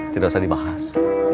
tidak usah dibahas